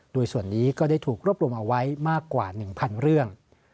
โดยส่วนนี้ก็ได้ถูกรวบรวมเอาไว้มากกว่า๑๐๐เรื่อง